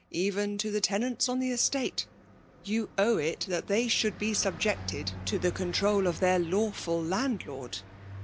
"^Even to the tenants on the estate, you owe it that they should be subjected to the control of their law* fill landlord.